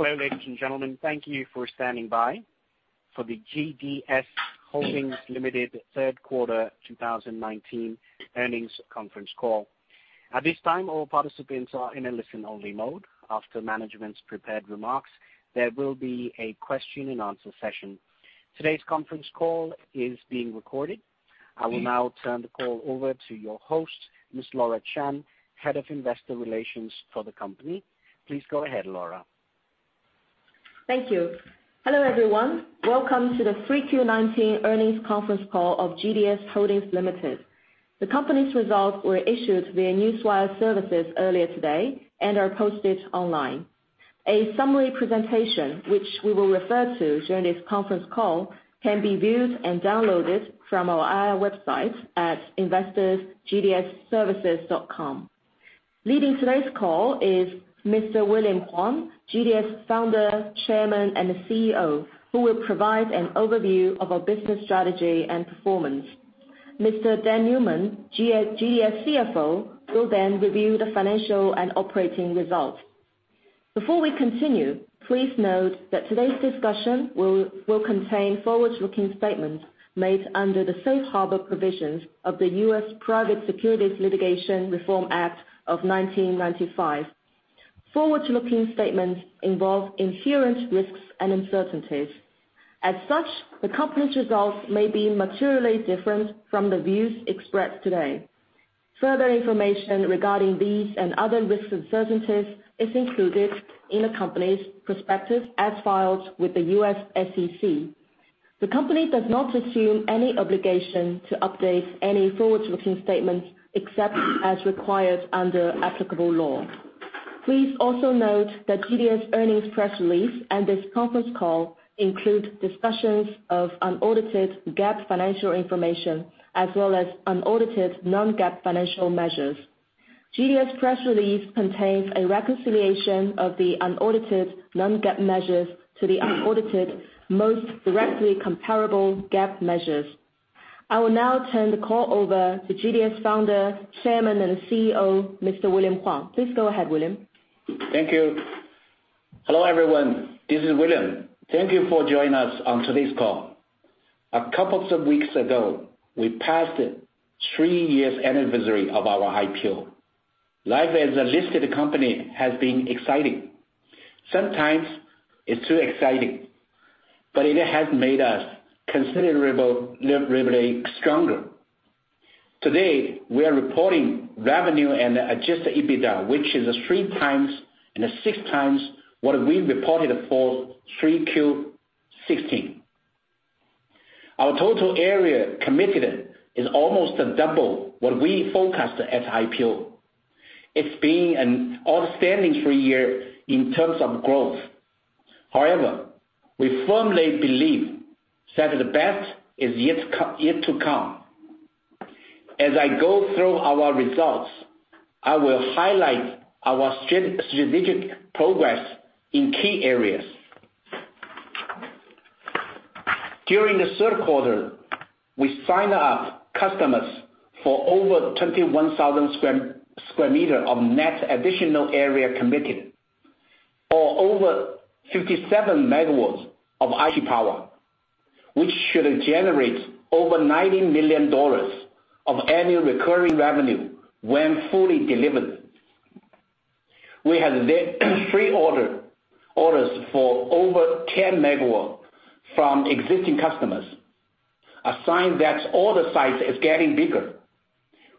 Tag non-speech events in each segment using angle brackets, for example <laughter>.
Hello, ladies and gentlemen. Thank you for standing by for the GDS Holdings Limited third quarter 2019 earnings conference call. At this time, all participants are in a listen-only mode. After management's prepared remarks, there will be a question and answer session. Today's conference call is being recorded. I will now turn the call over to your host, Ms. Laura Chen, Head of Investor Relations for the company. Please go ahead, Laura. Thank you. Hello, everyone. Welcome to the 3Q19 earnings conference call of GDS Holdings Limited. The company's results were issued via Newswire services earlier today and are posted online. A summary presentation, which we will refer to during this conference call, can be viewed and downloaded from our IR website at investors.gds-services.com. Leading today's call is Mr. William Huang, GDS Founder, Chairman, and CEO, who will provide an overview of our business strategy and performance. Mr. Dan Newman, GDS CFO, will review the financial and operating results. Before we continue, please note that today's discussion will contain forward-looking statements made under the Safe Harbor provisions of the U.S. Private Securities Litigation Reform Act of 1995. Forward-looking statements involve inherent risks and uncertainties. As such, the company's results may be materially different from the views expressed today. Further information regarding these and other risk uncertainties is included in the company's prospectus as filed with the U.S. SEC. The company does not assume any obligation to update any forward-looking statements except as required under applicable law. Please also note that GDS earnings press release and this conference call include discussions of unaudited GAAP financial information as well as unaudited non-GAAP financial measures. GDS press release contains a reconciliation of the unaudited non-GAAP measures to the unaudited most directly comparable GAAP measures. I will now turn the call over to GDS Founder, Chairman, and CEO, Mr. William Huang. Please go ahead, William. Thank you. Hello, everyone. This is William. Thank you for joining us on today's call. A couple of weeks ago, we passed three years anniversary of our IPO. Life as a listed company has been exciting. Sometimes it's too exciting, but it has made us considerably stronger. Today, we are reporting revenue and adjusted EBITDA, which is three times and six times what we reported for 3Q16. Our total area committed is almost double what we forecast at IPO. It's been an outstanding three years in terms of growth. However, we firmly believe that the best is yet to come. As I go through our results, I will highlight our strategic progress in key areas. During the third quarter, we signed up customers for over 21,000 sq m of net additional area committed or over 57 MW of IT power, which should generate over RMB 90 million of annual recurring revenue when fully delivered. We have three orders for over 10 MW from existing customers, a sign that order size is getting bigger.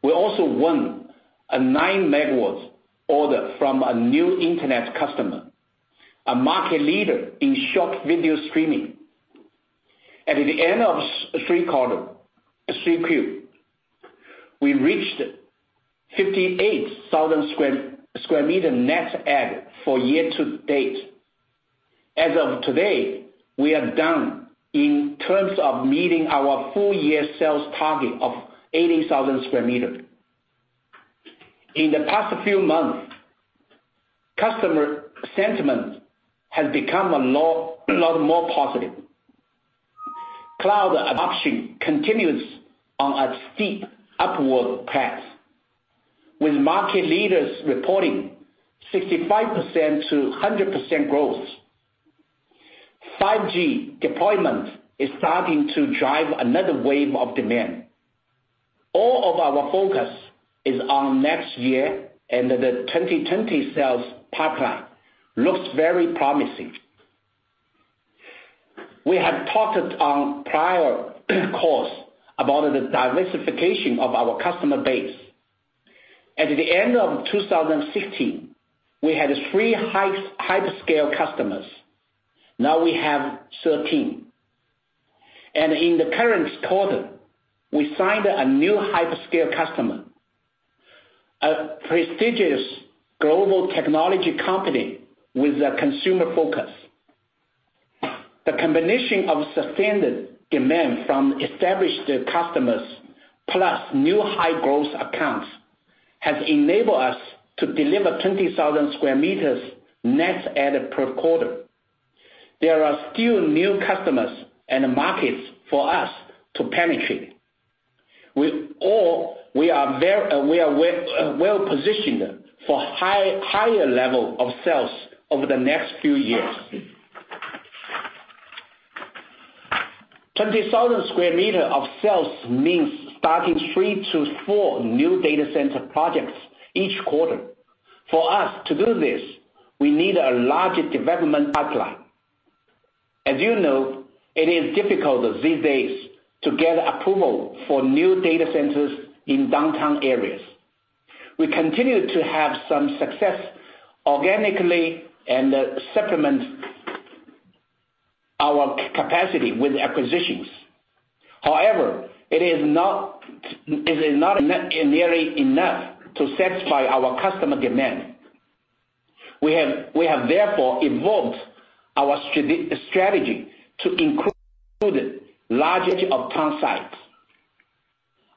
We also won a nine MW order from a new internet customer, a market leader in short video streaming. At the end of three quarter, 3Q, we reached 58,000 sq m net add for year-to-date. As of today, we are done in terms of meeting our full-year sales target of 80,000 sq m. In the past few months, customer sentiment has become a lot more positive. Cloud adoption continues on a steep upward path, with market leaders reporting 65%-100% growth. 5G deployment is starting to drive another wave of demand. All of our focus is on next year, and the 2020 sales pipeline looks very promising. We have talked on prior calls about the diversification of our customer base. At the end of 2016, we had three hyperscale customers. Now we have 13. In the current quarter, we signed a new hyperscale customer, a prestigious global technology company with a consumer focus. The combination of sustained demand from established customers plus new high-growth accounts has enabled us to deliver 20,000 sq m net add per quarter. There are still new customers and markets for us to penetrate. We are well-positioned for higher level of sales over the next few years. 20,000 sq m of sales means starting three to four new data center projects each quarter. For us to do this, we need a large development pipeline. As you know, it is difficult these days to get approval for new data centers in downtown areas. We continue to have some success organically and supplement our capacity with acquisitions. It is not nearly enough to satisfy our customer demand. We have therefore evolved our strategy to include larger edge-of-town sites.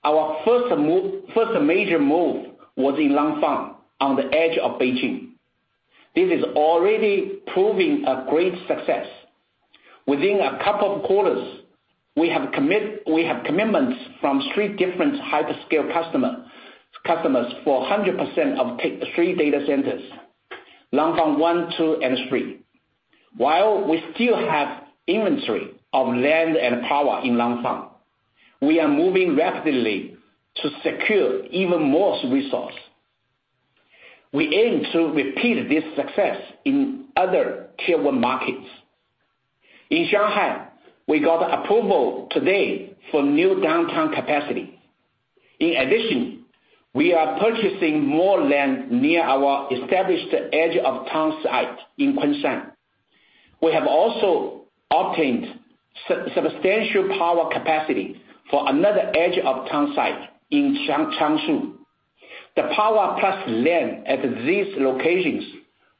Our first major move was in Langfang, on the edge of Beijing. This is already proving a great success. Within a couple of quarters, we have commitments from three different hyperscale customers for 100% of three data centers, Langfang 1, 2, and 3. While we still have inventory of land and power in Langfang, we are moving rapidly to secure even more resource. We aim to repeat this success in other Tier 1 markets. In Shanghai, we got approval today for new downtown capacity. In addition, we are purchasing more land near our established edge-of-town site in Kunshan. We have also obtained substantial power capacity for another edge of town site in Changshu. The power plus land at these locations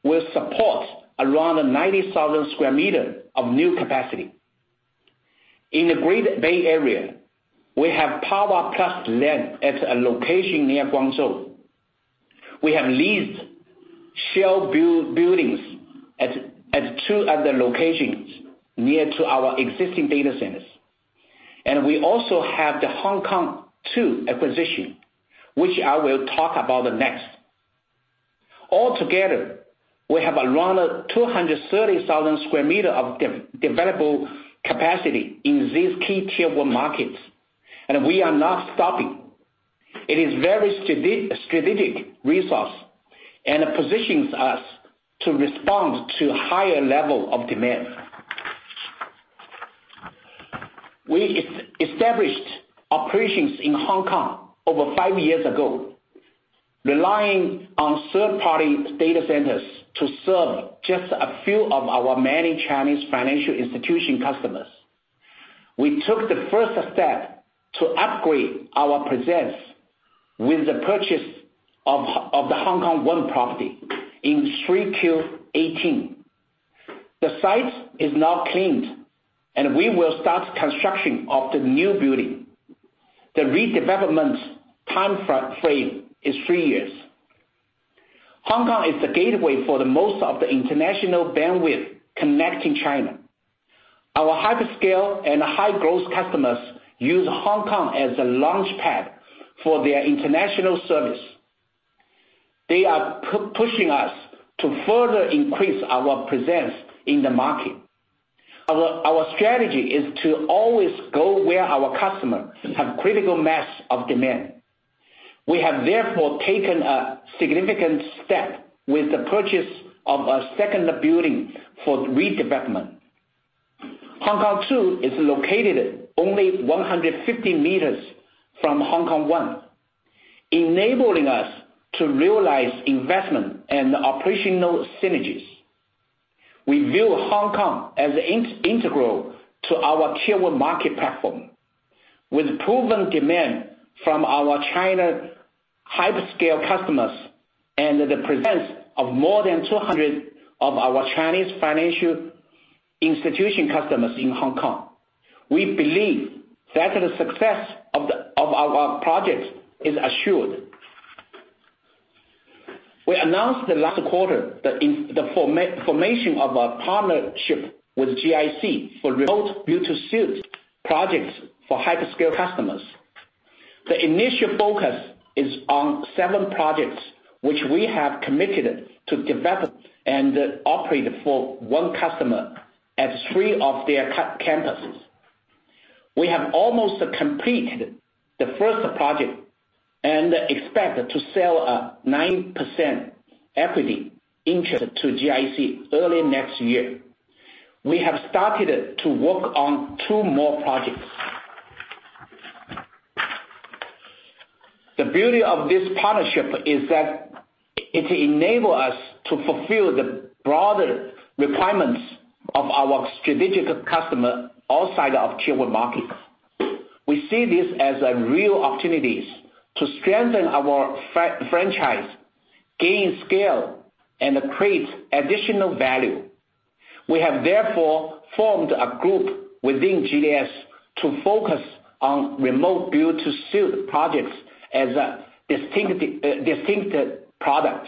will support around 90,000 sq m of new capacity. In the Greater Bay Area, we have power plus land at a location near Guangzhou. We have leased shell buildings at two other locations near to our existing data centers, and we also have the Hong Kong 2 acquisition, which I will talk about next. Altogether, we have around 230,000 sq m of developable capacity in these key Tier 1 markets, and we are not stopping. It is very strategic resource and positions us to respond to higher level of demand. We established operations in Hong Kong over five years ago, relying on third-party data centers to serve just a few of our many Chinese financial institution customers. We took the first step to upgrade our presence with the purchase of the Hong Kong 1 property in 3Q18. The site is now cleaned, and we will start construction of the new building. The redevelopment timeframe is three years. Hong Kong is the gateway for the most of the international bandwidth connecting China. Our hyperscale and high-growth customers use Hong Kong as a launchpad for their international service. They are pushing us to further increase our presence in the market. Our strategy is to always go where our customers have critical mass of demand. We have therefore taken a significant step with the purchase of a second building for redevelopment. Hong Kong 2 is located only 150 meters from Hong Kong 1, enabling us to realize investment and operational synergies. We view Hong Kong as integral to our Tier 1 market platform. With proven demand from our China hyperscale customers and the presence of more than 200 of our Chinese financial institution customers in Hong Kong, we believe that the success of our project is assured. We announced the last quarter the formation of a partnership with GIC for remote build-to-suit projects for hyperscale customers. The initial focus is on seven projects which we have committed to develop and operate for one customer at three of their campuses. We have almost completed the first project and expect to sell a 90% equity interest to GIC early next year. We have started to work on two more projects. The beauty of this partnership is that it enables us to fulfill the broader requirements of our strategic customer outside of Tier 1 markets. We see this as a real opportunity to strengthen our franchise, gain scale, and create additional value. We have therefore formed a group within GDS to focus on remote build-to-suit projects as a distinct product.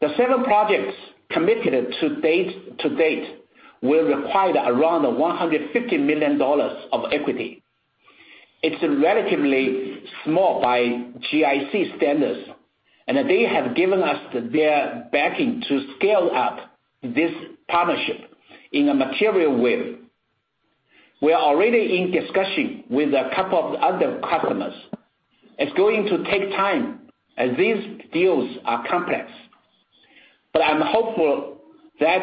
The several projects committed to date will require around $150 million of equity. It's relatively small by GIC standards. They have given us their backing to scale up this partnership in a material way. We are already in discussion with a couple of other customers. It's going to take time, as these deals are complex. I'm hopeful that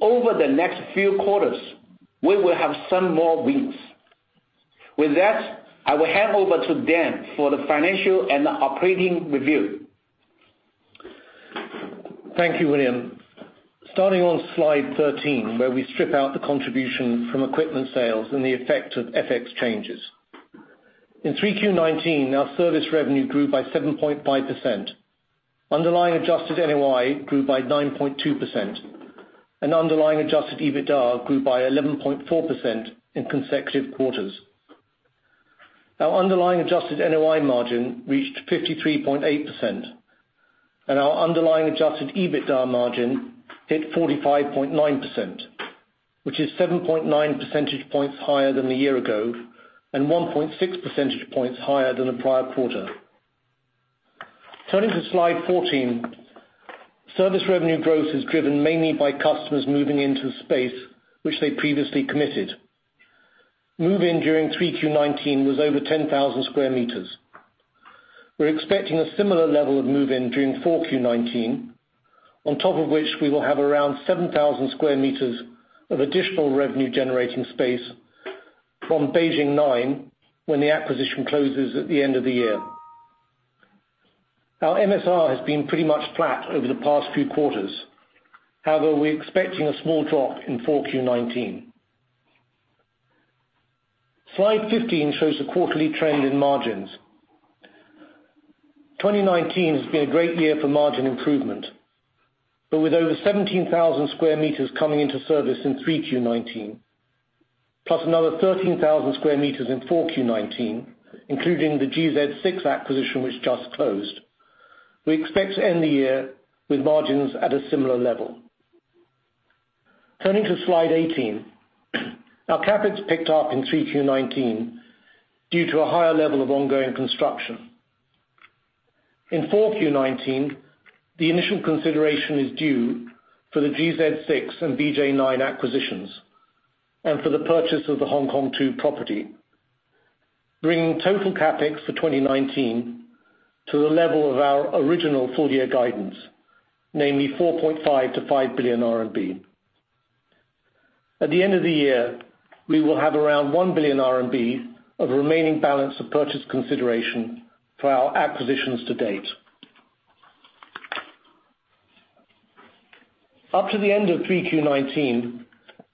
over the next few quarters, we will have some more wins. With that, I will hand over to Dan for the financial and operating review. Thank you, William. Starting on slide 13, where we strip out the contribution from equipment sales and the effect of FX changes. In 3Q 2019, our service revenue grew by 7.5%. Underlying adjusted NOI grew by 9.2%, and underlying adjusted EBITDA grew by 11.4% in consecutive quarters. Our underlying adjusted NOI margin reached 53.8%, and our underlying adjusted EBITDA margin hit 45.9%, which is 7.9 percentage points higher than a year ago and 1.6 percentage points higher than the prior quarter. Turning to slide 14. Service revenue growth is driven mainly by customers moving into space which they previously committed. Move-in during Q19 was over 10,000 sq m. We're expecting a similar level of move-in during Q19, on top of which we will have around 7,000 sq m of additional revenue-generating space from Beijing 9 when the acquisition closes at the end of the year. Our MSR has been pretty much flat over the past several quarters. However, we're expecting a small drop in Q19. Slide 15 shows the quarterly trend in margins. 2019 has been a great year for margin improvement, but with over 17,000 sq m coming into service in Q19, plus another 13,000 sq m in Q19, including the GZ6 acquisition, which just closed. We expect to end the year with margins at a similar level. Turning to slide 18. Our CapEx picked up in Q19 due to a higher level of ongoing construction. In Q19, the initial consideration is due for the GZ6 and BJ9 acquisitions and for the purchase of the Hong Kong Two property, bringing total CapEx for 2019 to the level of our original full year guidance, namely 4.5 billion-5 billion RMB. At the end of the year, we will have around 1 billion RMB of remaining balance of purchase consideration for our acquisitions to date. Up to the end of Q19,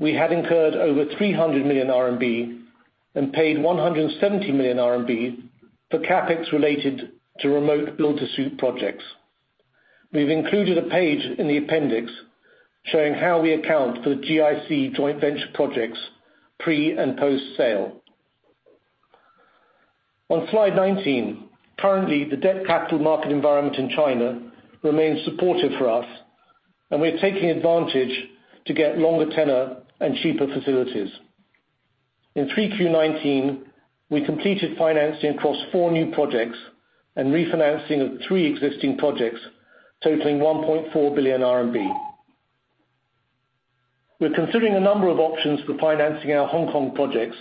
we had incurred over 300 million RMB and paid 170 million RMB for CapEx related to remote build-to-suit projects. We've included a page in the appendix showing how we account for GIC joint venture projects pre and post-sale. On slide 19, currently the debt capital market environment in China remains supportive for us and we're taking advantage to get longer tenure and cheaper facilities. In Q19, we completed financing across four new projects and refinancing of three existing projects, totaling 1.4 billion RMB. We're considering a number of options for financing our Hong Kong projects,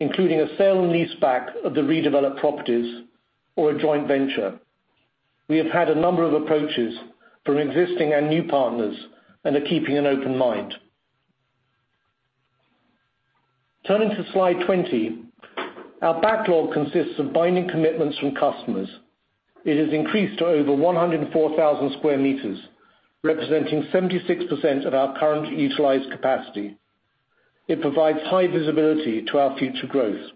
including a sale and leaseback of the redeveloped properties or a joint venture. We have had a number of approaches from existing and new partners and are keeping an open mind. Turning to slide 20. Our backlog consists of binding commitments from customers. It has increased to over 104,000 square meters, representing 76% of our current utilized capacity. It provides high visibility to our future growth.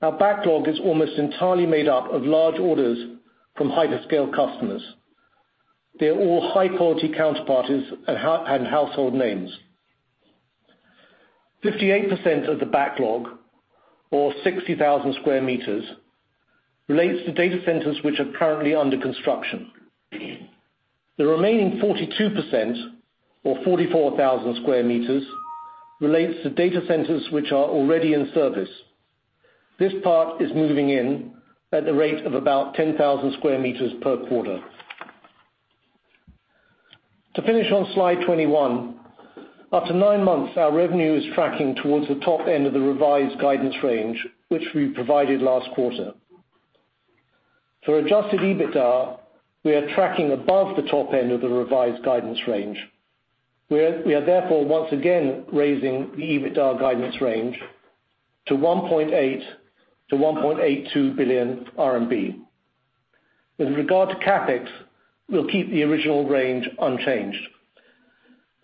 Our backlog is almost entirely made up of large orders from hyperscale customers. They are all high-quality counterparties and household names. 58% of the backlog or 60,000 square meters relates to data centers which are currently under construction. The remaining 42% or 44,000 square meters relates to data centers which are already in service. This part is moving in at the rate of about 10,000 square meters per quarter. To finish on slide 21. After nine months, our revenue is tracking towards the top end of the revised guidance range, which we provided last quarter. For adjusted EBITDA, we are tracking above the top end of the revised guidance range. We are therefore once again raising the EBITDA guidance range to 1.8 billion-1.82 billion RMB. With regard to CapEx, we'll keep the original range unchanged.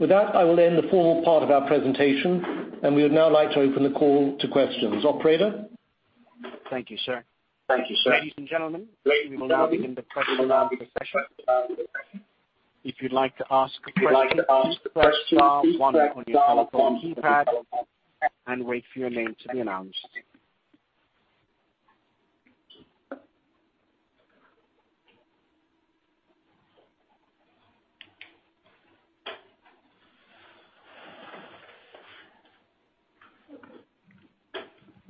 With that, I will end the formal part of our presentation. We would now like to open the call to questions. Operator? Thank you, sir. Thank you, sir. Ladies and gentlemen, we will now begin the question and answer session. If you'd like to ask a question, please press star one on your telephone keypad and wait for your name to be announced.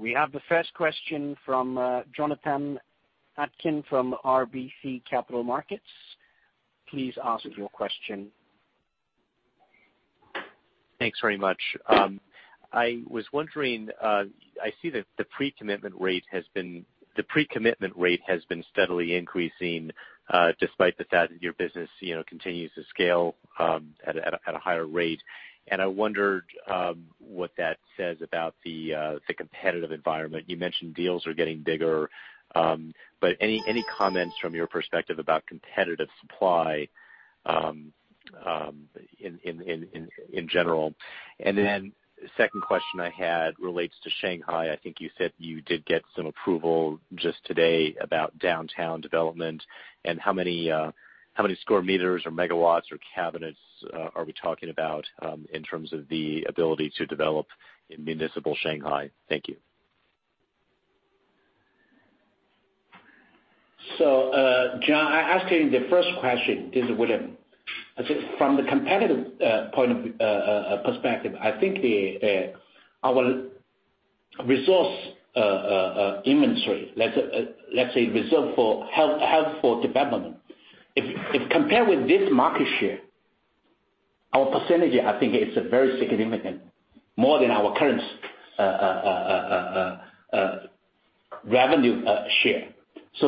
We have the first question from Jonathan Atkin from RBC Capital Markets. Please ask your question. Thanks very much. I was wondering, I see that the pre-commitment rate has been steadily increasing despite the fact that your business continues to scale at a higher rate. I wondered what that says about the competitive environment. You mentioned deals are getting bigger. Any comments from your perspective about competitive supply in general? Second question I had relates to Shanghai. I think you said you did get some approval just today about downtown development, and how many sq m or MW or cabinets are we talking about in terms of the ability to develop in municipal Shanghai? Thank you. Jonathan, answering the first question, this is William. From the competitive perspective, I think our resource inventory, let's say reserved for development. If compared with this market share, our percentage, I think it's very significant, more than our current revenue share.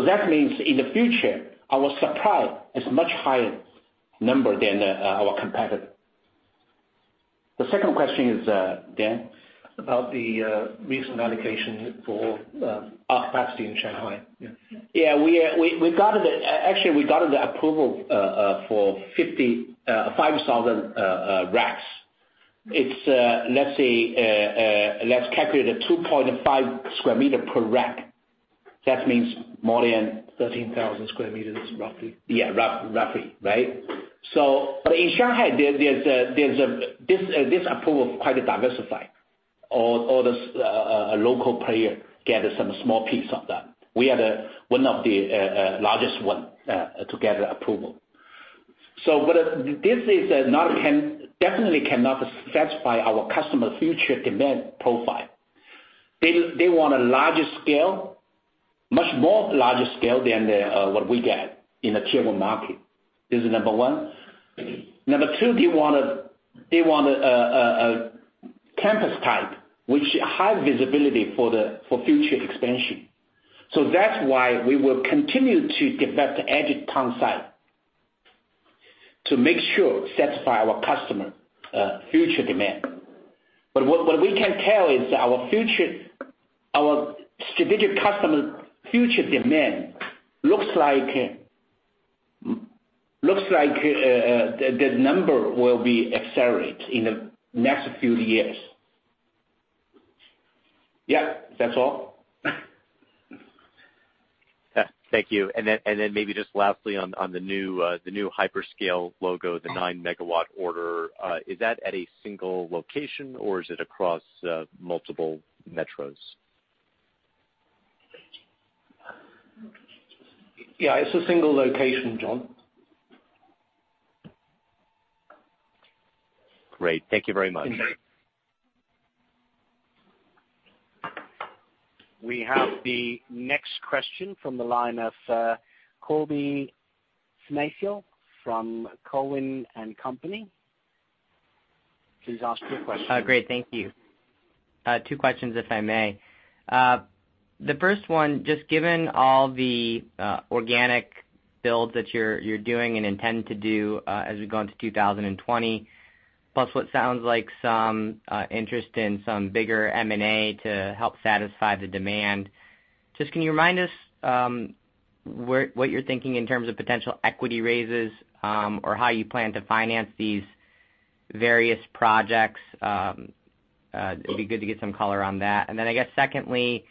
That means in the future, our supply is much higher number than our competitor. The second question is, Dan? About the recent allocation for our capacity in Shanghai. Yeah. Yeah. Actually, we got the approval for 5,000 racks. Let's calculate a 2.5 sq m per rack. 13,000 sq m, roughly. Yeah, roughly. Right. In Shanghai, this approval quite diversified. All the local player gather some small piece of that. We are one of the largest one to gather approval. This definitely cannot satisfy our customer's future demand profile. They want a larger scale, much more larger scale than what we get in the Tier 1 market. This is number one. Number two, they want a campus type, which high visibility for future expansion. That's why we will continue to develop the edge town site, to make sure satisfy our customer future demand. What we can tell is our strategic customer future demand looks like the number will be accelerate in the next few years. Yeah, that's all. Thank you. Maybe just lastly on the new hyperscale logo, the nine megawatt order. Is that at a single location or is it across multiple metros? Yeah, it's a single location, John. Great. Thank you very much. Thank you. We have the next question from the line of Colby Synesael from Cowen and Company. Please ask your question. Great. Thank you. Two questions, if I may. The first one, just given all the organic builds that you're doing and intend to do as we go into 2020, plus what sounds like some interest in some bigger M&A to help satisfy the demand, just can you remind us what you're thinking in terms of potential equity raises, or how you plan to finance these various projects? It'd be good to get some color on that. I guess secondly,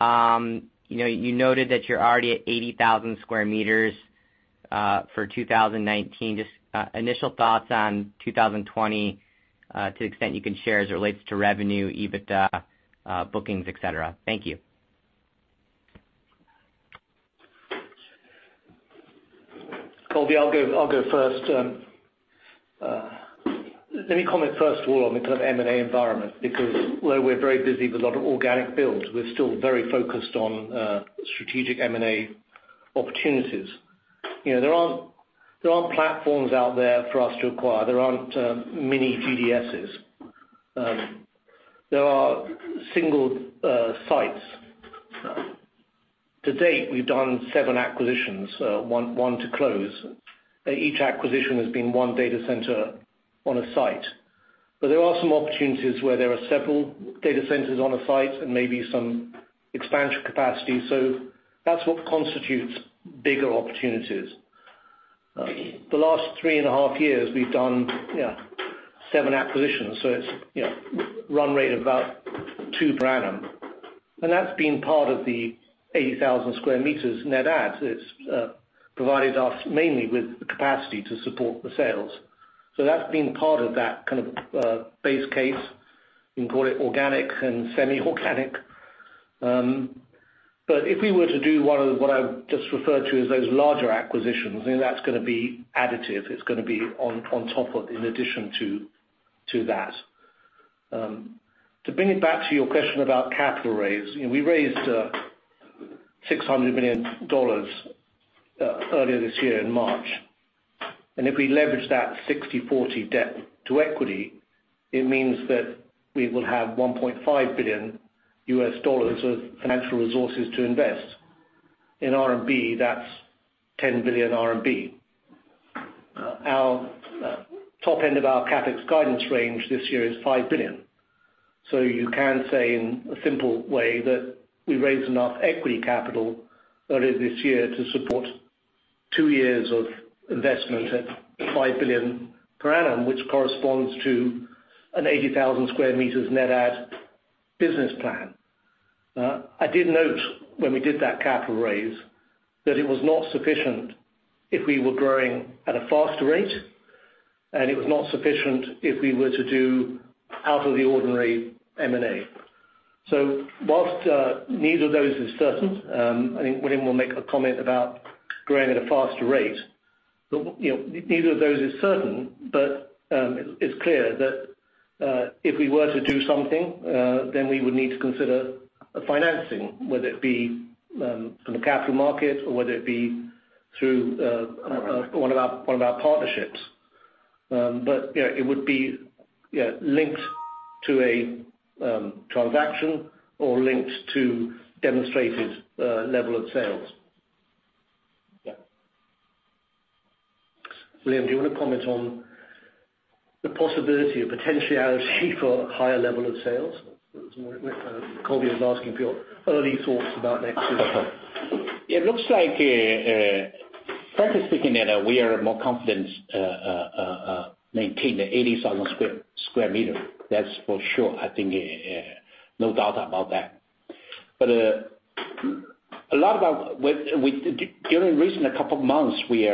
you noted that you're already at 80,000 square meters for 2019. Just initial thoughts on 2020 to the extent you can share as it relates to revenue, EBITDA, bookings, et cetera. Thank you. Colby, I'll go first. Let me comment first of all on the kind of M&A environment, because although we're very busy with a lot of organic builds, we're still very focused on strategic M&A opportunities. There aren't platforms out there for us to acquire. There aren't mini GDSs. There are single sites. To date, we've done seven acquisitions, one to close. Each acquisition has been one data center on a site. There are some opportunities where there are several data centers on a site and maybe some expansion capacity. That's what constitutes bigger opportunities. The last three and a half years we've done seven acquisitions. It's run rate of about two per annum. That's been part of the 80,000 sq m net add. It's provided us mainly with the capacity to support the sales. That's been part of that kind of base case. You can call it organic and semi-organic. If we were to do one of what I've just referred to as those larger acquisitions, then that's going to be additive. It's going to be on top of, in addition to that. To bring it back to your question about capital raise, we raised $600 million earlier this year in March. If we leverage that 60/40 debt to equity, it means that we will have $1.5 billion of financial resources to invest. In RMB, that's 10 billion RMB. Our top end of our CapEx guidance range this year is 5 billion. You can say in a simple way that we raised enough equity capital earlier this year to support two years of investment at 5 billion per annum, which corresponds to an 80,000 sq m net add business plan. I did note when we did that capital raise that it was not sufficient if we were growing at a faster rate, and it was not sufficient if we were to do out of the ordinary M&A. Whilst, neither of those is certain, I think William will make a comment about growing at a faster rate. Neither of those is certain, it's clear that if we were to do something, then we would need to consider financing, whether it be from the capital markets or whether it be through one of our partnerships. It would be linked to a transaction or linked to demonstrated level of sales. Yeah. William, do you want to comment on the possibility of potentially <inaudible> for a higher level of sales? Colby was asking for your early thoughts about next year. It looks like, frankly speaking, that we are more confident, maintain the 80,000 square meter. That's for sure. I think, no doubt about that. During recent couple of months, we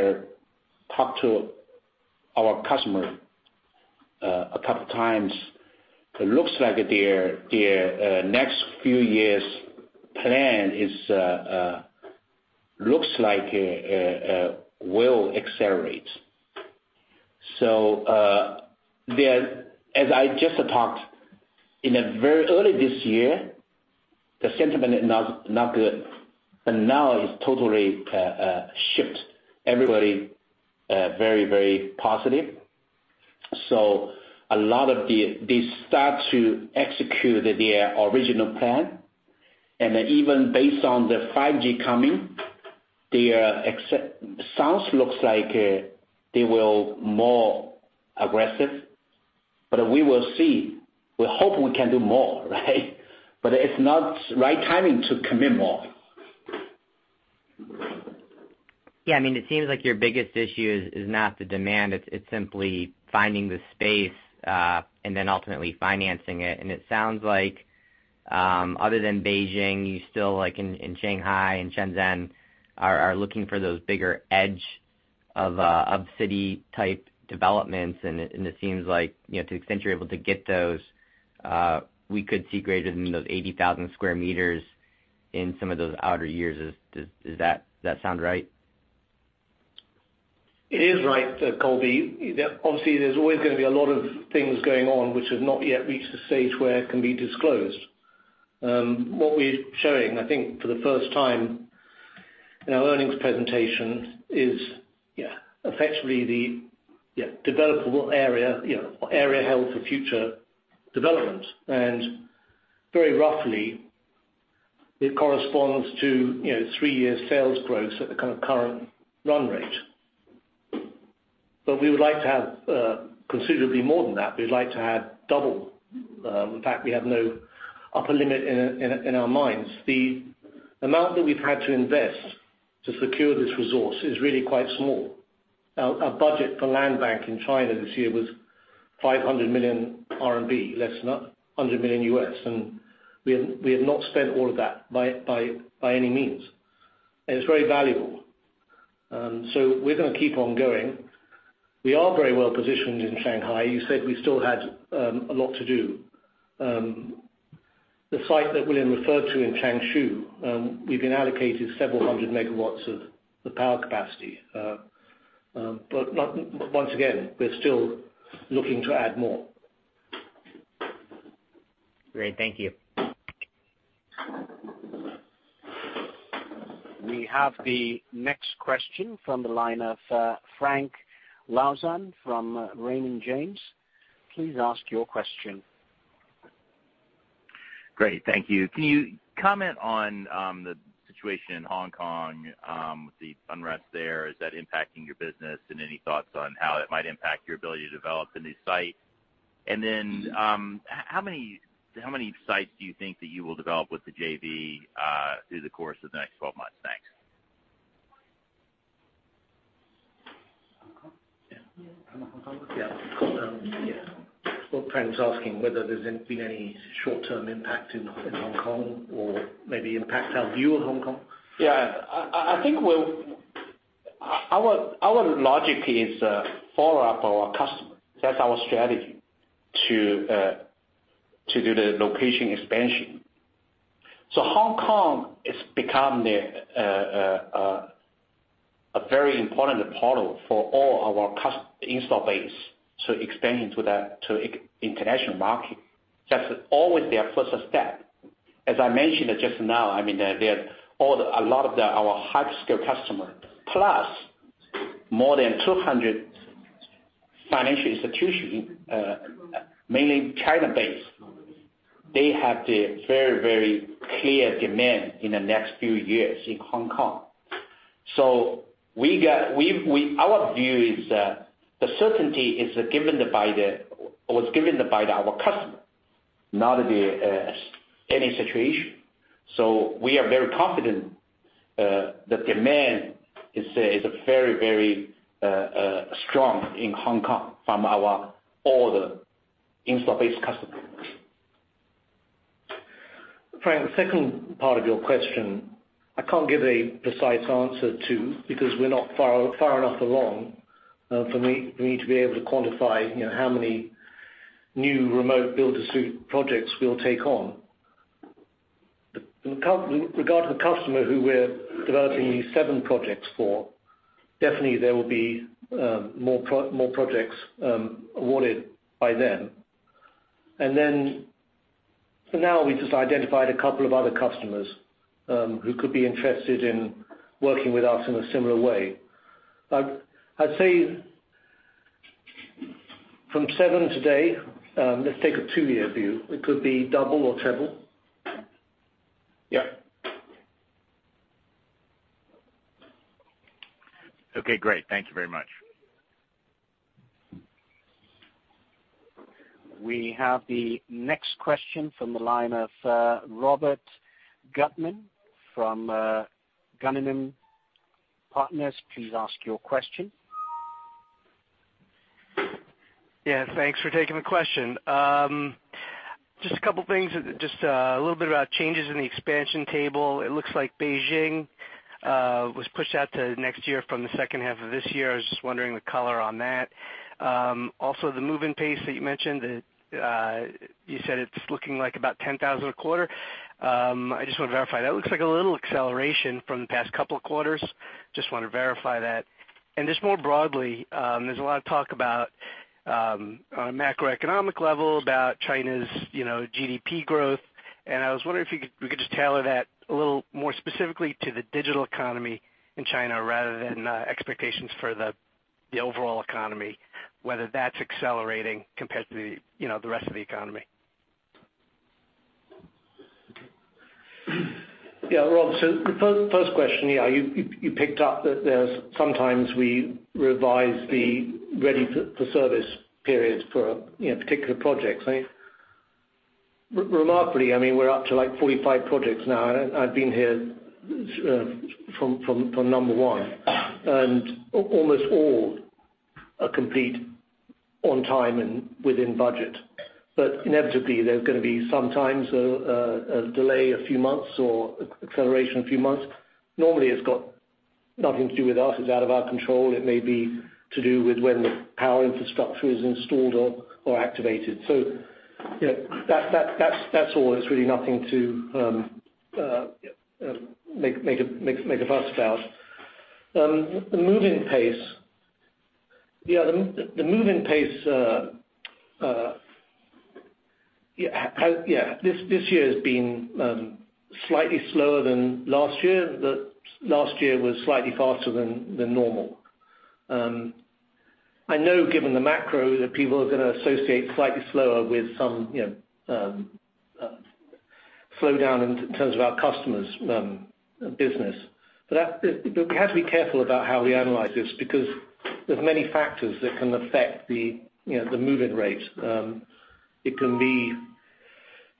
talked to our customer, a couple times. It looks like their next few years plan looks like it will accelerate. As I just talked, in a very early this year, the sentiment is not good, and now it's totally shifted. Everybody very, very positive. A lot of these start to execute their original plan, and even based on the 5G coming, sounds looks like they will more aggressive. We will see. We hope we can do more, right. It's not right timing to commit more. Yeah, it seems like your biggest issue is not the demand, it's simply finding the space, and then ultimately financing it. It sounds like other than Beijing, you still in Shanghai and Shenzhen are looking for those bigger edge of city type developments. It seems like, to the extent you're able to get those, we could see greater than those 80,000 sq m in some of those outer years. Does that sound right? It is right, Colby. Obviously, there's always going to be a lot of things going on which have not yet reached the stage where it can be disclosed. What we're showing, I think for the first time in our earnings presentation is effectively the developable area, or area held for future development. Very roughly, it corresponds to three years sales growth at the current run rate. We would like to have considerably more than that. We'd like to have double. In fact, we have no upper limit in our minds. The amount that we've had to invest to secure this resource is really quite small. Our budget for land bank in China this year was 500 million RMB, less than $100 million. We have not spent all of that by any means. It's very valuable. We're going to keep on going. We are very well positioned in Shanghai. You said we still had a lot to do. The site that William referred to in Changshu, we've been allocated several hundred MW of the power capacity. Once again, we're still looking to add more. Great. Thank you. We have the next question from the line of Frank Louthan from Raymond James. Please ask your question. Great. Thank you. Can you comment on the situation in Hong Kong, with the unrest there, is that impacting your business? Any thoughts on how it might impact your ability to develop a new site? How many sites do you think that you will develop with the JV, through the course of the next 12 months? Thanks. Hong Kong? Yeah. Hong Kong? Well, Frank's asking whether there's been any short-term impact in Hong Kong or maybe impact our view of Hong Kong. Yeah. I think our logic is follow up our customer. That's our strategy to do the location expansion. Hong Kong has become a very important portal for all our install base to expand into the international market. That's always their first step. As I mentioned just now, there are a lot of our hyperscale customer, plus more than 200 financial institution, mainly China based. They have the very clear demand in the next few years in Hong Kong. Our view is, the certainty was given by our customer, not any situation. We are very confident, the demand is very strong in Hong Kong from all the install base customers. Frank, the second part of your question, I can't give a precise answer too, because we're not far enough along for me to be able to quantify how many new remote build-to-suit projects we'll take on. With regard to the customer who we're developing these seven projects for, definitely there will be more projects awarded by them. For now, we've just identified a couple of other customers, who could be interested in working with us in a similar way. I'd say from seven today, let's take a two-year view. It could be double or treble. Yeah. Okay, great. Thank you very much. We have the next question from the line of Robert Gutman from Guggenheim Partners. Please ask your question. Yeah. Thanks for taking the question. Just a couple things. Just a little bit about changes in the expansion table. It looks like Beijing was pushed out to next year from the second half of this year. I was just wondering the color on that. The move in pace that you mentioned, you said it's looking like about 10,000 a quarter. I just want to verify. That looks like a little acceleration from the past couple of quarters. Just want to verify that. Just more broadly, there's a lot of talk about, on a macroeconomic level, about China's GDP growth. I was wondering if you could just tailor that a little more specifically to the digital economy in China rather than expectations for the overall economy, whether that's accelerating compared to the rest of the economy. Yeah. Rob, the first question, you picked up that there's sometimes we revise the ready for service periods for particular projects. Remarkably, we're up to 45 projects now, and I've been here from number 1. Almost all are complete on time and within budget. Inevitably, there's going to be sometimes a delay a few months or acceleration a few months. Normally, it's got nothing to do with us. It's out of our control. It may be to do with when the power infrastructure is installed or activated. That's all. It's really nothing to make a fuss about. The move-in pace. The move-in pace, this year has been slightly slower than last year. Last year was slightly faster than normal. I know given the macro, that people are going to associate slightly slower with some slowdown in terms of our customers' business. We have to be careful about how we analyze this, because there's many factors that can affect the move-in rate.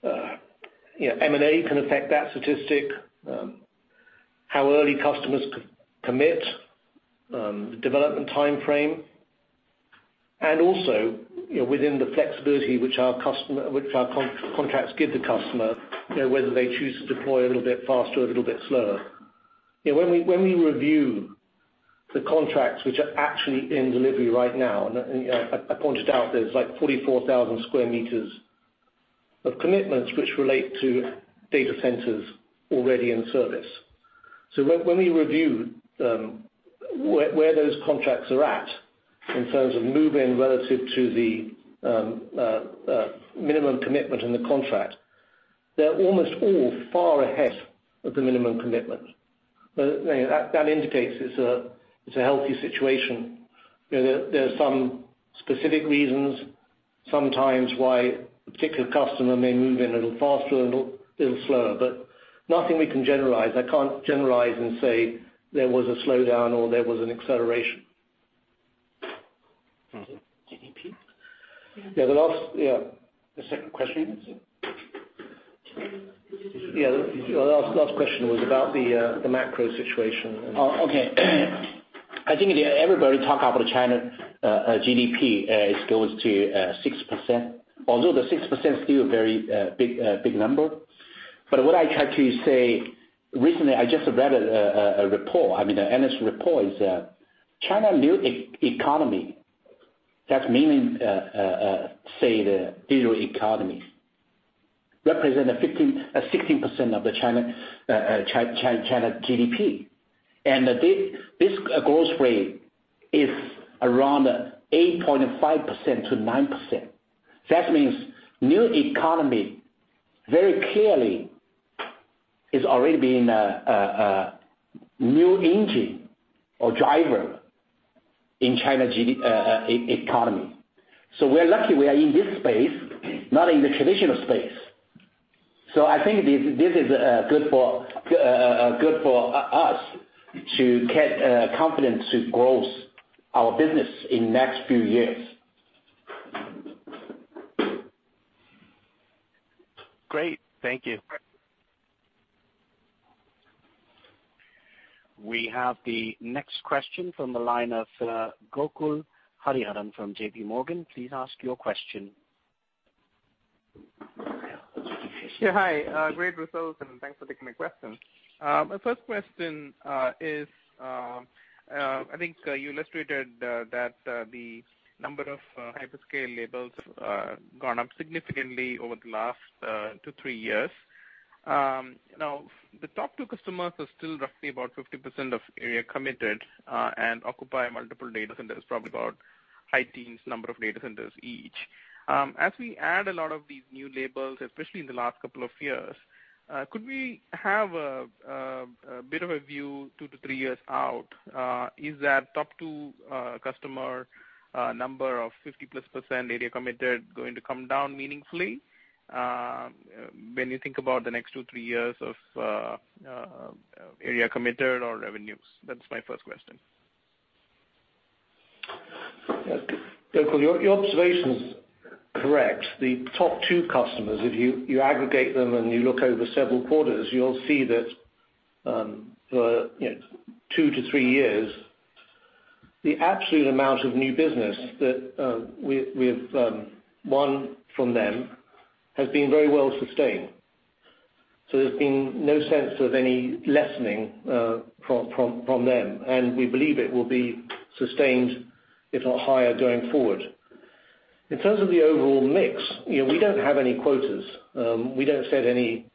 M&A can affect that statistic. How early customers commit, the development timeframe, and also, within the flexibility which our contracts give the customer, whether they choose to deploy a little bit faster or a little bit slower. When we review the contracts which are actually in delivery right now, and I pointed out there's 44,000 square meters of commitments which relate to data centers already in service. When we review where those contracts are at in terms of move-in relative to the minimum commitment in the contract, they're almost all far ahead of the minimum commitment. That indicates it's a healthy situation. There's some specific reasons sometimes why a particular customer may move in a little faster or a little slower, but nothing we can generalize. I can't generalize and say there was a slowdown or there was an acceleration. GDP? Yeah, the second question was it? The last question was about the macro situation. Okay. I think everybody talk about China GDP. It goes to 6%, although the 6% is still a very big number. What I try to say, recently I just read a report, an analyst report, is that China new economy, that's meaning say the digital economy, represent 16% of the China GDP. This growth rate is around 8.5%-9%. That means new economy very clearly is already being a new engine or driver in China economy. We're lucky we are in this space, not in the traditional space. I think this is good for us to get confidence to grow our business in next few years. Great. Thank you. We have the next question from the line of Gokul Hariharan from JPMorgan. Please ask your question. Yeah. Hi, great results and thanks for taking my question. My first question is, I think you illustrated that the number of hyperscale labels have gone up significantly over the last two, three years. The top two customers are still roughly about 50% of area committed, and occupy multiple data centers, probably about high teens number of data centers each. As we add a lot of these new labels, especially in the last couple of years, could we have a bit of a view two to three years out? Is that top two customer number of 50%-plus area committed going to come down meaningfully, when you think about the next two, three years of area committed or revenues? That's my first question. Gokul, your observation's correct. The top two customers, if you aggregate them and you look over several quarters, you'll see that for two to three years, the absolute amount of new business that we have won from them has been very well sustained. There's been no sense of any lessening from them, and we believe it will be sustained, if not higher, going forward. In terms of the overall mix, we don't have any quotas. We don't set any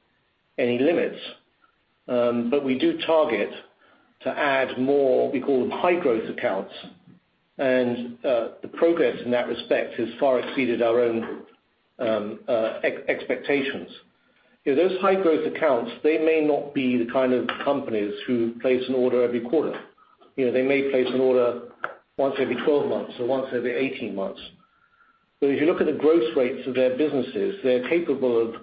limits. We do target to add more, we call them high growth accounts, and the progress in that respect has far exceeded our own expectations. Those high growth accounts, they may not be the kind of companies who place an order every quarter. They may place an order once every 12 months or once every 18 months. If you look at the growth rates of their businesses, they're capable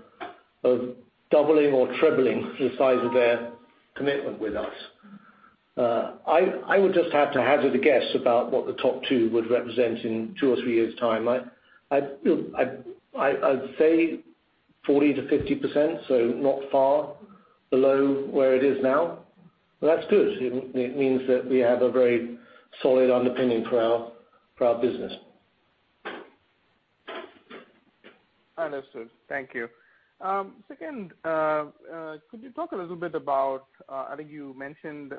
of doubling or trebling the size of their commitment with us. I would just have to hazard a guess about what the top two would represent in two or three years' time. I'd say 40%-50%, so not far below where it is now. That's good. It means that we have a very solid underpinning for our business. Understood. Thank you. Second, could you talk a little bit about, I think you mentioned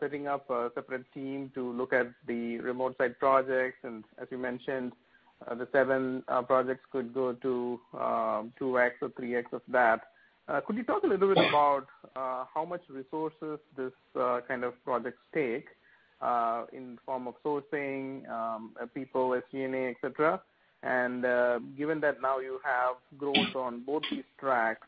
setting up a separate team to look at the remote site projects, and as you mentioned, the seven projects could go to 2x or 3x of that. Could you talk a little bit about how much resources this kind of projects take in the form of sourcing, people, SCM etc.? And given that now you have growth on both these tracks,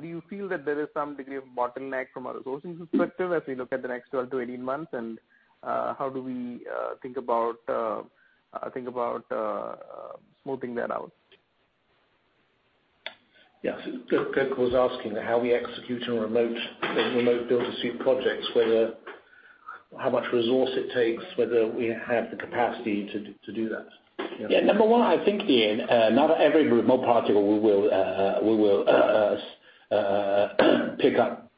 do you feel that there is some degree of bottleneck from a resourcing perspective as we look at the next 12-18 months, and how do we think about smoothing that out? Yes. Gokul's asking how we execute on remote build-to-suit projects, how much resource it takes, whether we have the capacity to do that. Number 1, I think not every remote project we will pick up.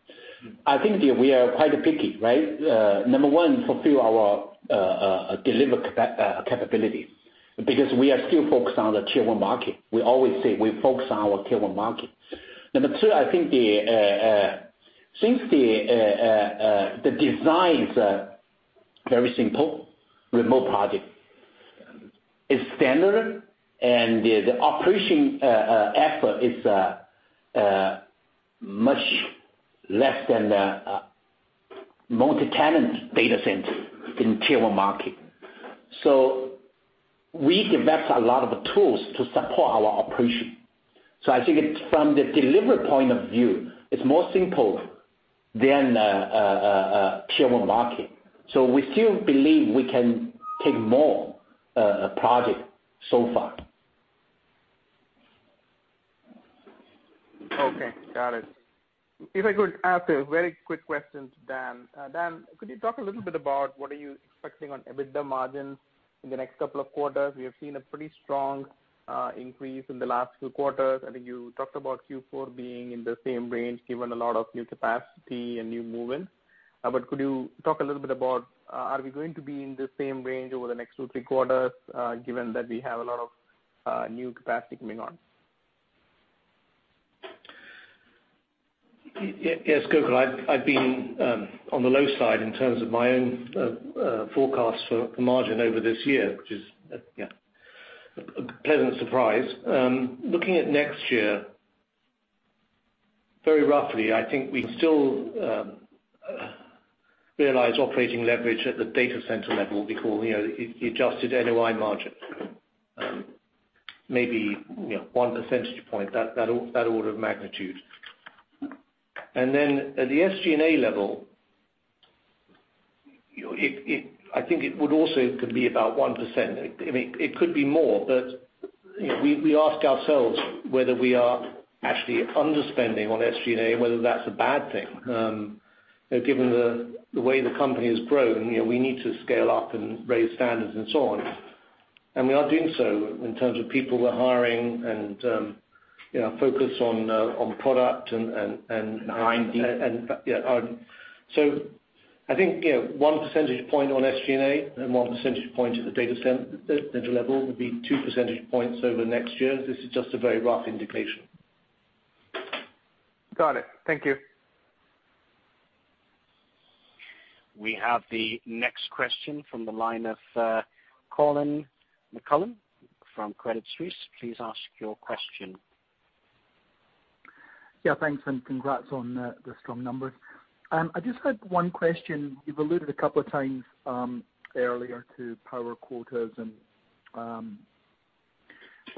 I think we are quite picky, right? Number 1, fulfill our delivery capability, because we are still focused on the Tier 1 market. We always say we focus on our Tier 1 market. Number 2, I think since the design is very simple, remote project is standard, and the operation effort is much less than the multi-tenant data center in Tier 1 market. We invest a lot of tools to support our operation. I think from the delivery point of view, it's more simple than a Tier 1 market. We still believe we can take more project so far. Okay. Got it. If I could ask a very quick question to Dan. Dan, could you talk a little bit about what are you expecting on EBITDA margins in the next couple of quarters? We have seen a pretty strong increase in the last few quarters. I think you talked about Q4 being in the same range, given a lot of new capacity and new move-in. Could you talk a little bit about are we going to be in the same range over the next two, three quarters, given that we have a lot of new capacity coming on? Yes, Gokul. I've been on the low side in terms of my own forecasts for margin over this year, which is a pleasant surprise. Looking at next year, very roughly, I think we still realize operating leverage at the data center level, we call the adjusted NOI margin, maybe 1 percentage point, that order of magnitude. Then at the SG&A level, I think it would also be about 1%. It could be more, but we ask ourselves whether we are actually underspending on SG&A, whether that's a bad thing. Given the way the company has grown, we need to scale up and raise standards and so on. We are doing so in terms of people we're hiring and focus on product and- R&D. Yeah. I think 1 percentage point on SG&A and 1 percentage point at the data center level would be 2 percentage points over next year. This is just a very rough indication. Got it. Thank you. We have the next question from the line of Colin McCallum from Credit Suisse. Please ask your question. Yeah, thanks, and congrats on the strong numbers. I just had one question. You've alluded a couple of times earlier to power quotas and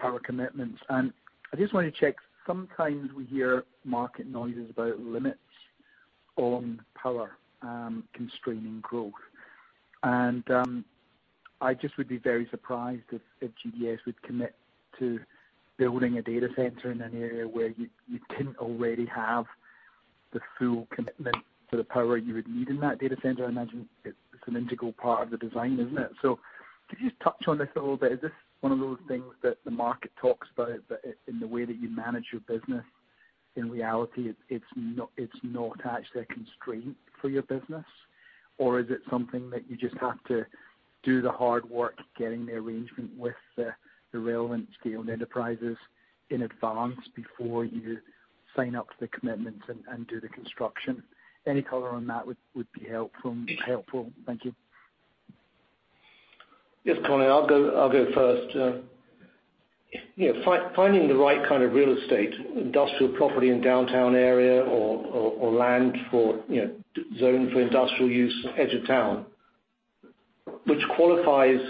power commitments. I just want to check, sometimes we hear market noises about limits on power constraining growth. I just would be very surprised if GDS would commit to building a data center in an area where you didn't already have the full commitment to the power you would need in that data center. I imagine it's an integral part of the design, isn't it? Could you just touch on this a little bit? Is this one of those things that the market talks about, but in the way that you manage your business, in reality, it's not actually a constraint for your business? Is it something that you just have to do the hard work getting the arrangement with the relevant scaled enterprises in advance before you sign up to the commitments and do the construction? Any color on that would be helpful. Thank you. Yes, Colin, I'll go first. Finding the right kind of real estate, industrial property in downtown area or land zoned for industrial use edge of town, which qualifies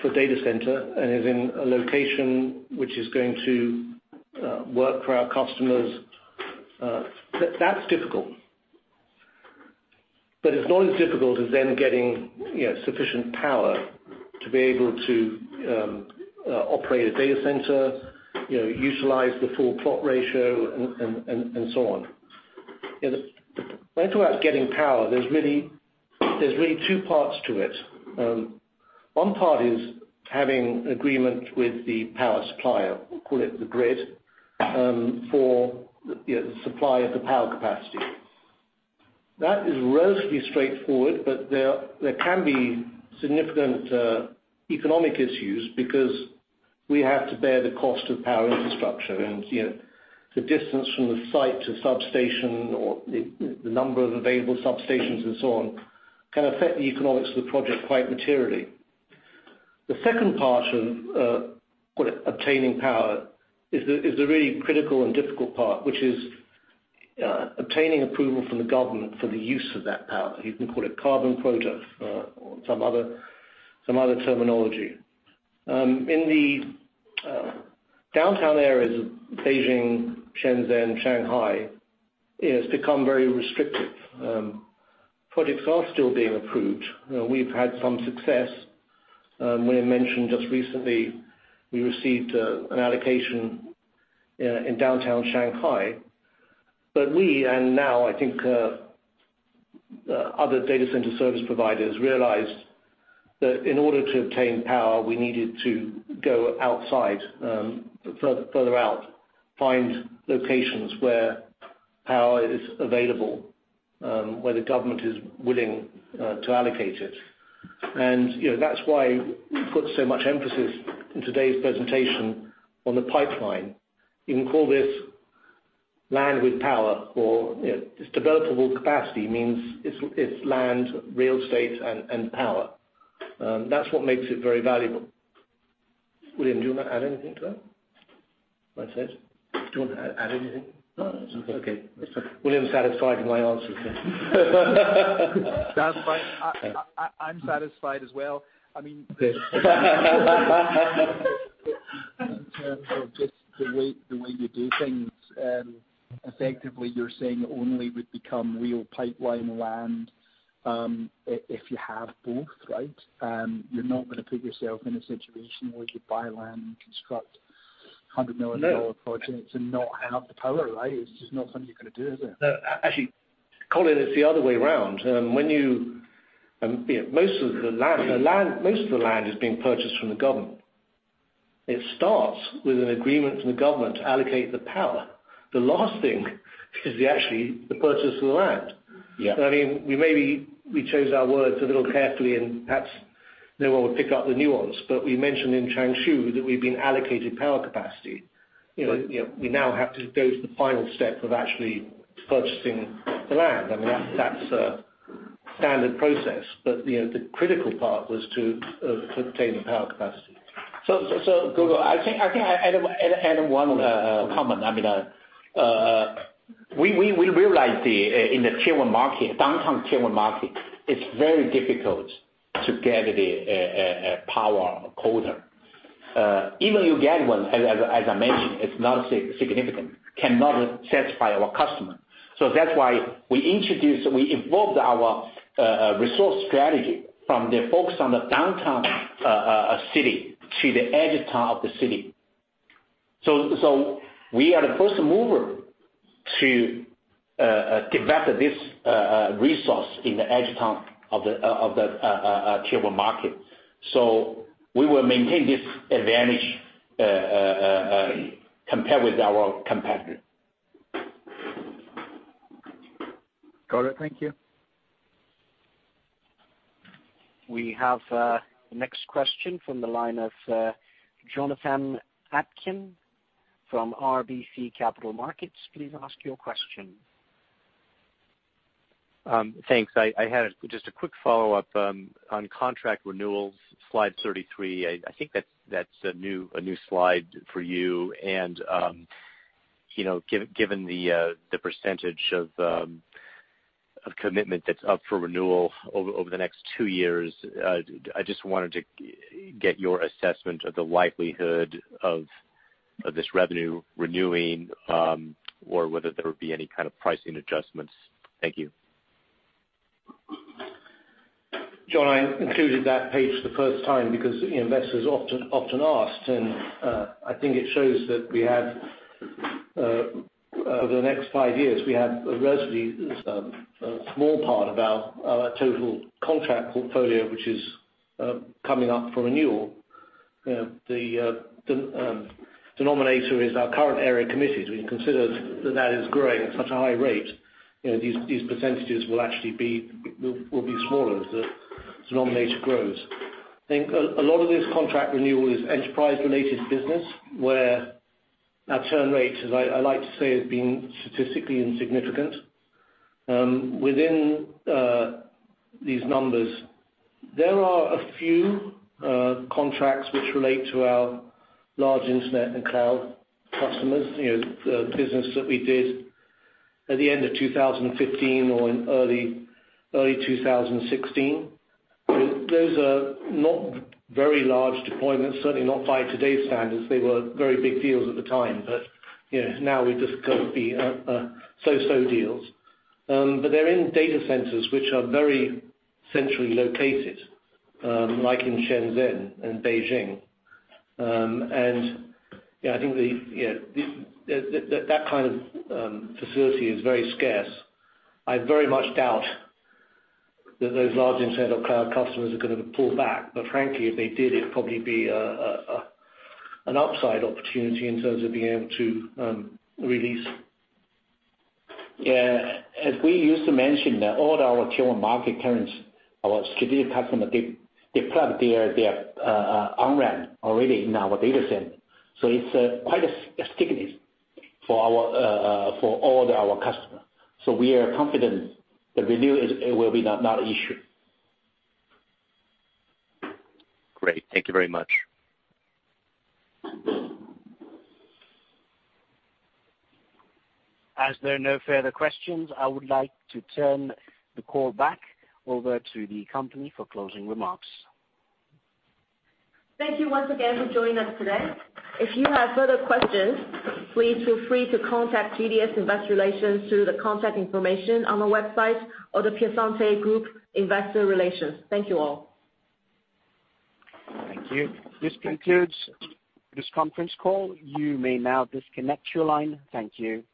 for data center and is in a location which is going to work for our customers, that's difficult. It's not as difficult as then getting sufficient power to be able to operate a data center, utilize the full plot ratio, and so on. When I talk about getting power, there's really two parts to it. One part is having agreement with the power supplier, we'll call it the grid, for the supply of the power capacity. That is relatively straightforward, but there can be significant economic issues because we have to bear the cost of power infrastructure. The distance from the site to substation or the number of available substations and so on can affect the economics of the project quite materially. The second part of, call it, obtaining power is the really critical and difficult part, which is obtaining approval from the government for the use of that power. You can call it carbon quota or some other terminology. In the downtown areas of Beijing, Shenzhen, Shanghai, it has become very restrictive. Projects are still being approved. We've had some success. William mentioned just recently we received an allocation in downtown Shanghai. We, and now I think other data center service providers, realized that in order to obtain power, we needed to go outside, further out, find locations where power is available, where the government is willing to allocate it. That's why we put so much emphasis in today's presentation on the pipeline. You can call this land with power, or this developable capacity means it's land, real estate, and power. That's what makes it very valuable. William, do you want to add anything to that? What I said? Do you want to add anything? No, that's okay. Okay. William's satisfied with my answer. Satisfied. I'm satisfied as well. Good. In terms of just the way you do things, effectively you're saying only would become real pipeline land if you have both, right? You're not going to put yourself in a situation where you buy land and construct RMB 100 million projects and not have the power, right? It's just not something you're going to do, is it? No. Actually, Colin, it's the other way around. Most of the land is being purchased from the government. It starts with an agreement from the government to allocate the power. The last thing is actually the purchase of the land. Yes. Maybe we chose our words a little carefully, and perhaps no one would pick up the nuance, but we mentioned in Changshu that we've been allocated power capacity. Right. We now have to go to the final step of actually purchasing the land. That's a standard process, but the critical part was to obtain the power capacity. Gokul, I think I add one comment. We realize in the Tier 1 market, downtown Tier 1 market, it's very difficult to get the power quota. Even you get one, as I mentioned, it's not significant, cannot satisfy our customer. That's why we evolved our resource strategy from the focus on the downtown city to the edge town of the city. We are the first mover to develop this resource in the edge town of the Tier 1 market. We will maintain this advantage compared with our competitor. Got it. Thank you. We have the next question from the line of Jonathan Atkin from RBC Capital Markets. Please ask your question. Thanks. I had just a quick follow-up on contract renewals, slide 33. I think that's a new slide for you. Given the % of commitment that's up for renewal over the next two years, I just wanted to get your assessment of the likelihood of this revenue renewing, or whether there would be any kind of pricing adjustments. Thank you. Jon, I included that page for the first time because investors often asked, and I think it shows that over the next five years, we have relatively a small part of our total contract portfolio, which is coming up for renewal. The denominator is our current area committed. When you consider that that is growing at such a high rate, these percentages will be smaller as the denominator grows. I think a lot of this contract renewal is enterprise-related business, where our churn rate, as I like to say, has been statistically insignificant. Within these numbers, there are a few contracts which relate to our large internet and cloud customers, the business that we did at the end of 2015 or in early 2016. Those are not very large deployments, certainly not by today's standards. They were very big deals at the time. Now they've just got to be so-so deals. They're in data centers which are very centrally located, like in Shenzhen and Beijing. I think that kind of facility is very scarce. I very much doubt that those large internet or cloud customers are going to pull back, but frankly, if they did, it'd probably be an upside opportunity in terms of being able to release. As we used to mention, all our Tier 1 market tenants, our strategic customer, they plug their on-ramp already in our data center. It's quite a stickiness for all our customer. We are confident the renewal will be not an issue. Great. Thank you very much. As there are no further questions, I would like to turn the call back over to the company for closing remarks. Thank you once again for joining us today. If you have further questions, please feel free to contact GDS Investor Relations through the contact information on the website of The Piacente Group Investor Relations. Thank you all. Thank you. This concludes this conference call. You may now disconnect your line. Thank you.